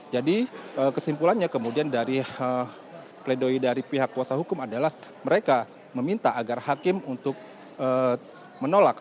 jadi kesimpulannya kemudian dari pledoi dari pihak kuasa hukum adalah mereka meminta agar hakim untuk menolak